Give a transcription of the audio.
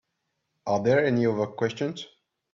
Are there any other questions?